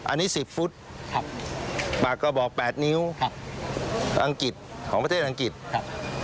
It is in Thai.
อันนี้๑๐ฟุตปากกระบอก๘นิ้วครับอังกฤษของประเทศอังกฤษครับ